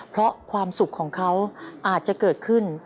เพราะความสุขของเขาอาจจะเกิดขึ้น